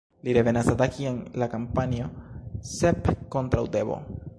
Li revenas ataki en la kampanjo "Sep kontraŭ Tebo".